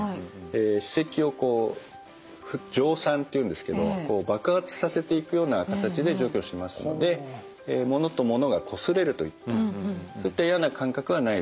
歯石をこう蒸散っていうんですけどこう爆発させていくような形で除去しますのでものとものがこすれるといったそういったような感覚はないです。